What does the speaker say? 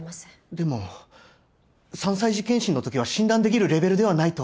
でも３歳児健診の時は診断できるレベルではないと。